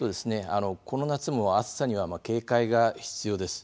この夏も暑さには警戒が必要です。